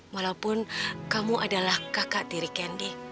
walaupun kamu adalah kakak tiga